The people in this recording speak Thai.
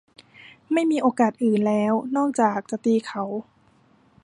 ไม่มีโอกาสอื่นแล้วนอกจากจะตีเขา